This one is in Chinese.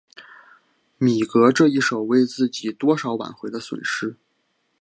米格这一手为自己多少挽回了损失。